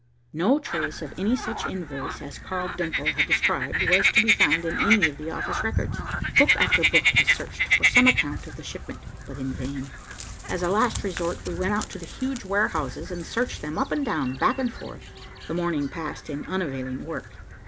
No trace of any such invoice as Carl Denckel had described was to be found in any of the office records. Book after book was searched for some account of the shipment, but in vain. As a last resort, we went out to the huge warehouses and searched them, up and down, back and forth. The morning passed in unavailing work.